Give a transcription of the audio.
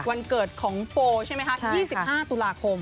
วันเกิดของโฟใช่ไหมคะ๒๕ตุลาคม